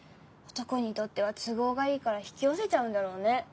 男にとっては都合がいいから引き寄せちゃうんだろうね